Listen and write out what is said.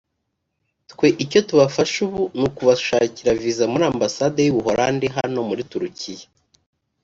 Twe icyo tubafasha ubu ni ukubashakira Visa muri Ambasade y’u Buholandi hano muri Turikiya